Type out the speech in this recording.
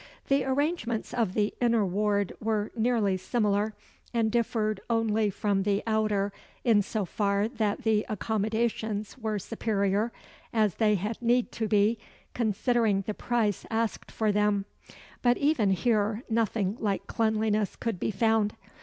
The arrangements of the inner ward were nearly similar, and differed only from the outer, in so far that the accommodations were superior, as they had need to be, considering the price asked for them; but even here nothing like cleanliness could be found.